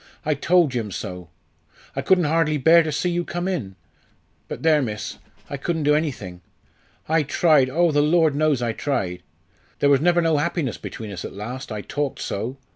I told Jim so. I couldn't hardly bear to see you come in. But there, miss, I couldn't do anything. I tried, oh! the Lord knows I tried! There was never no happiness between us at last, I talked so.